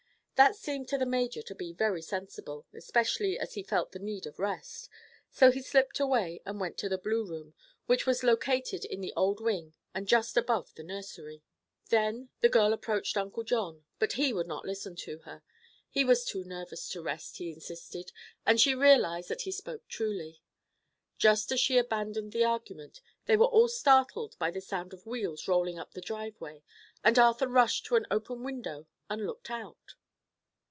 That seemed to the major to be very sensible, especially as he felt the need of rest, so he slipped away and went to the blue room, which was located in the old wing and just above the nursery. Then the girl approached Uncle John, but he would not listen to her. He was too nervous to rest, he insisted, and she realized that he spoke truly. Just as she abandoned the argument they were all startled by the sound of wheels rolling up the driveway and Arthur rushed to an open window and looked out.